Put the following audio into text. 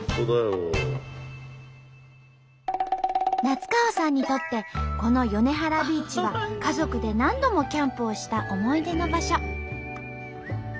夏川さんにとってこの米原ビーチは家族で何度もキャンプをした思い出の場所。